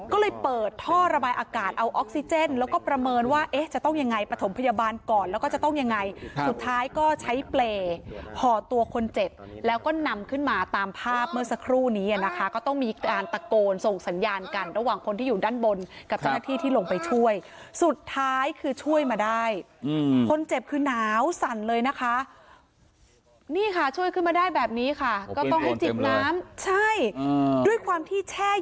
ก็เลยเปิดท่อระบายอากาศเอาออกซิเจนแล้วก็ประเมินว่าจะต้องยังไงประถมพยาบาลก่อนแล้วก็จะต้องยังไงสุดท้ายก็ใช้เปรย์ห่อตัวคนเจ็บแล้วก็นำขึ้นมาตามภาพเมื่อสักครู่นี้นะคะก็ต้องมีการตะโกนส่งสัญญากันระหว่างคนที่อยู่ด้านบนกับท่านที่ที่ลงไปช่วยสุดท้ายคือช่วยมาได้คนเจ็บคือหนาวสั่นเลยนะคะนี่ค่ะช่